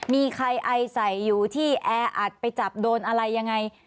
มีใครไอใส่อยู่ที่แออัดไปจับโดนอะไรยังไง